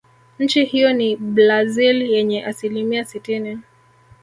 Nchi hiyo ni Blazil yenye asilimia sitini